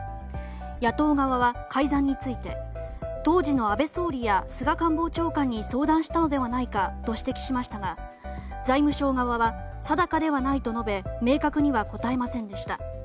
野党側は改ざんについて当時の安倍総理や菅官房長官に相談したのではないかと指摘しましたが財務省側は定かではないと述べ明確には答えませんでした。